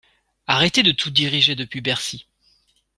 Arrêtez de tout diriger depuis Bercy.